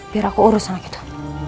biar aku urus sama kita